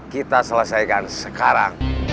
kita selesaikan sekarang